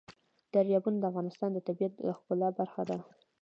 دریابونه د افغانستان د طبیعت د ښکلا برخه ده.